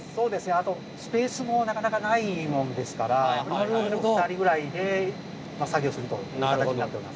あとスペースもなかなかないもんですから２人ぐらいで作業するという形になっております。